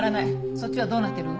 そっちはどうなってるの？